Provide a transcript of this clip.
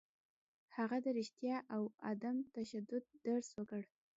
هغه د رښتیا او عدم تشدد درس ورکړ.